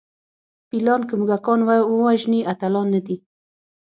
فیلان که موږکان ووژني اتلان نه دي.